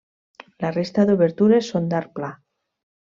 La resta d'obertures són d'arc pla.